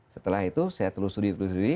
setelah itu saya telusuri